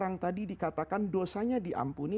yang tadi dikatakan dosanya diampuni